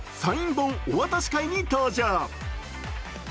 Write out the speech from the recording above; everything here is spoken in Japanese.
本お渡し会に登場。